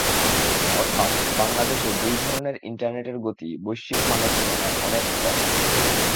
অর্থাৎ বাংলাদেশে দুই ধরনের ইন্টারনেটের গতিই বৈশ্বিক মানের তুলনায় অনেক কম।